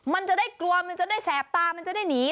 มันจะได้กลัวมันจะได้แสบตามันจะได้หนี